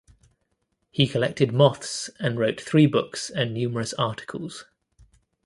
He collected moths and wrote three books and numerous articles.